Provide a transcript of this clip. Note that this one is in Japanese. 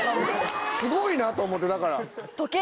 すごいなと思ってだから。